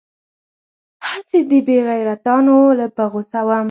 هسې دې بې غيرتانو له په غوسه وم.